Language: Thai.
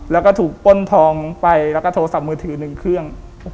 แล้วก็ถูกป้นทองไปแล้วก็โทรศัพท์มือถือ๑เครื่อง